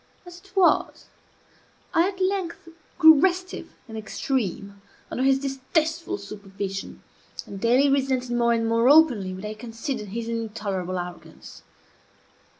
As it was, I at length grew restive in the extreme under his distasteful supervision, and daily resented more and more openly what I considered his intolerable arrogance.